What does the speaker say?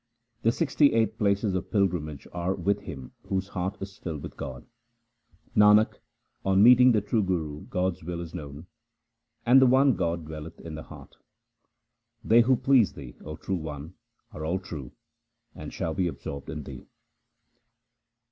The sixty eight places of pilgrimage are with him whose heart is filled with God. Nanak, on meeting the true Guru God's will is known, and the one God dwelleth in the heart. They who please Thee, O True One, are all true, and shall be absorbed in Thee.